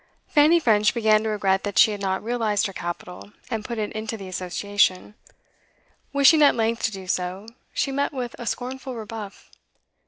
Fanny French began to regret that she had not realised her capital, and put it into the Association. Wishing at length to do so, she met with a scornful rebuff.